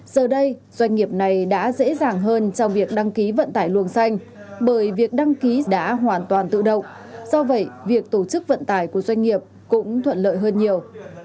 giờ đây doanh nghiệp này đã dễ dàng hơn trong việc đăng ký vận tải luồng xanh bởi việc đăng ký đã hoàn toàn tự động do vậy việc tổ chức vận tải của doanh nghiệp cũng thuận lợi hơn nhiều